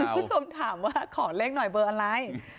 คุณผู้ชมถามว่าขอเลขหน่อยเบอร์อะไร